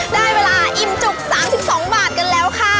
ได้เวลาอิ่มจุก๓๒บาทกันแล้วค่ะ